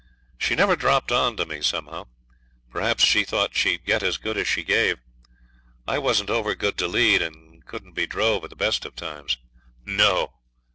She never dropped on to me, somehow. Perhaps she thought she'd get as good as she gave; I wasn't over good to lead, and couldn't be drove at the best of times. No!